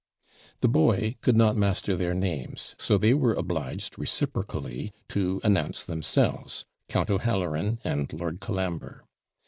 The boy could not master their names; so they were obliged reciprocally to announce themselves 'Count O'Halloran and Lord Colambre.'